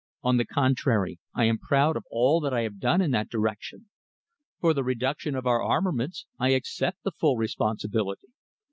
"On the contrary, I am proud of all that I have done in that direction. For the reduction of our armaments I accept the full responsibility.